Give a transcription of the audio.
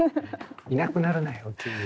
いなくなるなよっていう。